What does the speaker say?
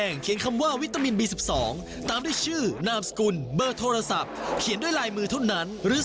ยิ่งจะส่งมากยิ่งมีสิทธิ์มากส่งมาได้เรื่อย